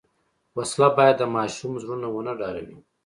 وسله باید د ماشوم زړونه ونه ډاروي